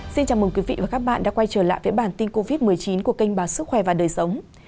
xin chào mừng quý vị và các bạn đã quay trở lại với bản tin covid một mươi chín của kênh báo sức khỏe và đời sống